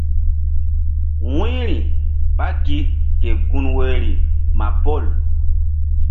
Wu̧yri ɓá gi ke gun woyri ma pol.